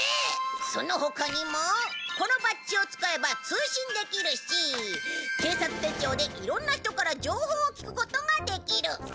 その他にもこのバッジを使えば通信できるし警察手帳でいろんな人から情報を聞くことができる。